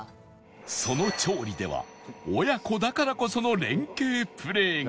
その調理では親子だからこその連携プレーが